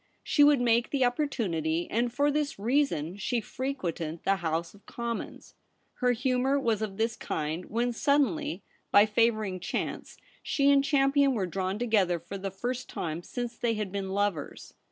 She would make the opportunity, and for this reason she frequented the House of Com mons. Her humour was of this kind, when suddenly, by favouring chance, she and Cham pion were drawn together for the first time since they had been lovers.